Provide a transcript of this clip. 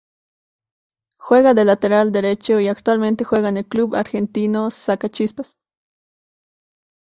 Juega de lateral derecho y actualmente juega en el club argentino Sacachispas.